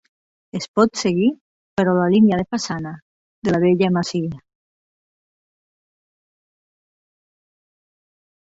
Es pot seguir però la línia de façana de la vella masia.